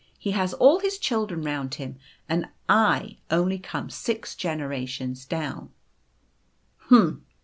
He has all his children round him, and I only come six generations down/ <ct Humph